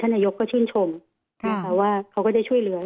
ท่านนายก็ชื่นชมว่าเขาก็ได้ช่วยเหลือ